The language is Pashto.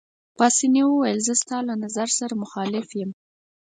پاسیني وویل: زه ستا له نظر سره مخالف یم.